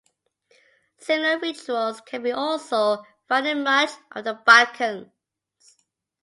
Similar rituals can be also found in much of the Balkans.